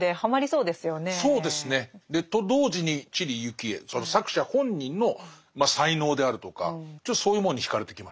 そうですね。と同時に知里幸恵その作者本人の才能であるとかちょっとそういうものに惹かれてきましたね。